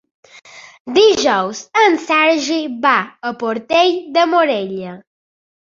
Dijous en Sergi va a Portell de Morella.